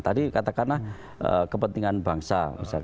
tadi katakanlah kepentingan bangsa